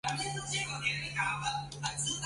圣劳里教堂是一座位于芬兰洛赫亚的教堂。